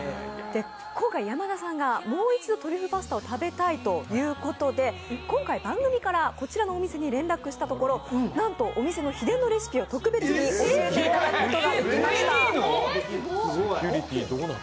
今回、山田さんがもう一度トリュフパスタを食べたいということで、今回番組からこちらのお店に連絡したところ、なんとお店の秘伝のレシピを特別に教えていただくことができました。